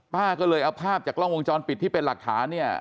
ป้าก็เลยเอาภาพจากกล้องวงจรปิดที่เป็นหลักฐานเนี่ย